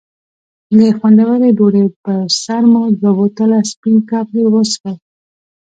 د خوندورې ډوډۍ پر سر مو دوه بوتله سپین کاپري وڅښل.